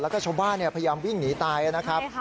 แล้วก็ชาวบ้านพยายามวิ่งหนีตายนะครับ